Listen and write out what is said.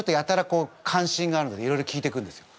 こう関心があるのでいろいろ聞いてくるんですよ。